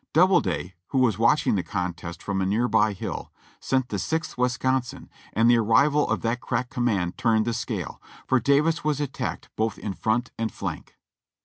Doubleday, who was watching the contest from a near by hill, sent the Sixth Wisconsin, and the arrival of that crack command turned the scale, for Davis was attacked both in front and flank.